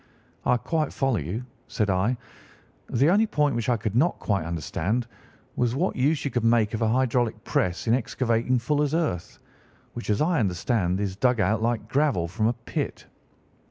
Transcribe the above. "'I quite follow you,' said I. 'The only point which I could not quite understand was what use you could make of a hydraulic press in excavating fuller's earth, which, as I understand, is dug out like gravel from a pit.